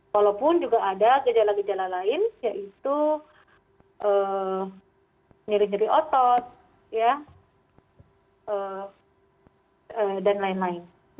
walaupun juga ada gejala gejala lain yaitu nyeri nyeri otot dan lain lain